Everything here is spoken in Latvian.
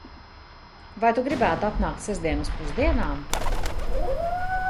Vai tu gribētu atnākt sestdien uz pusdienām?